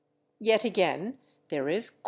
Yet again, there is /quoit